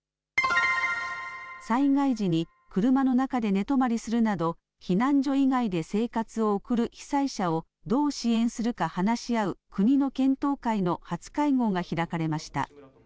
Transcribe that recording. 災害時に車の中で寝泊まりするなど避難所以外で生活を送る被災者をどう支援するか話し合う国の検討会の初会合が開かれました。